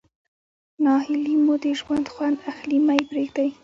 ناهلي مو د ژوند خوند اخلي مه ئې پرېږدئ.